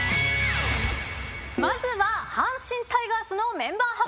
まずは阪神タイガースのメンバー発表です。